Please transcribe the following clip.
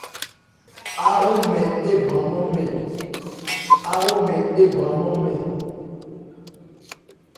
Áhromɛn ébranman mɛn.